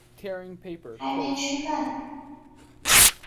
还没吃饭